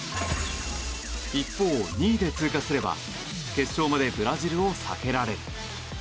一方、２位で通過すれば決勝までブラジルを避けられる。